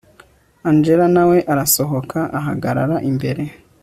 angella nawe arasohoka ahagarara imbere